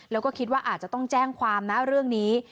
แล้วก็คิดว่าอาจจะต้องแจ้งความนะเรื่องนี้